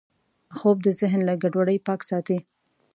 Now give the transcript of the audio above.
خوب د ذهن له ګډوډۍ پاک ساتي